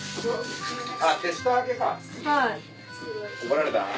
怒られた？